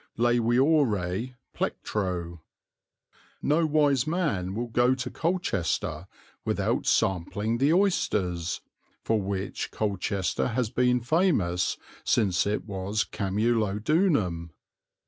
Leviore plectro. No wise man will go to Colchester without sampling the oysters, for which Colchester has been famous since it was Camulodunum.